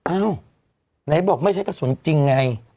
อ้าวไหนบอกไม่ใช่กระสุนจริงไง